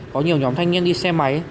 có nhiều nhóm thanh niên đi xe máy